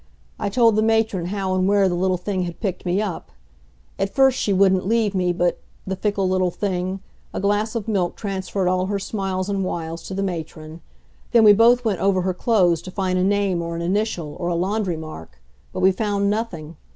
I told the matron how and where the little thing had picked me up. At first she wouldn't leave me, but the fickle little thing a glass of milk transferred all her smiles and wiles to the matron. Then we both went over her clothes to find a name or an initial or a laundry mark. But we found nothing.